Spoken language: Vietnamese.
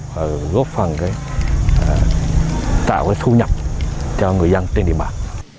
và góp phần tạo cái thu nhập cho người dân trên địa bàn